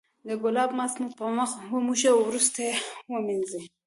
د ګلاب ماسک مو په مخ وموښئ او وروسته یې ومینځئ.